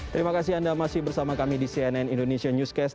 terima kasih anda masih bersama kami di cnn indonesia newscast